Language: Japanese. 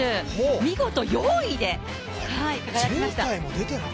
見事４位に輝きました。